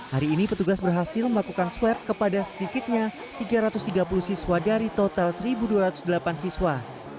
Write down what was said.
hari ini petugas berhasil melakukan swab kepada sedikitnya tiga ratus tiga puluh siswa dari total satu dua ratus delapan siswa